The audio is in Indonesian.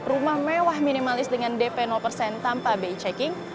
rumah mewah minimalis dengan dp persen tanpa bi checking